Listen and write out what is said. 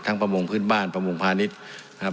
ประมงพื้นบ้านประมงพาณิชย์นะครับ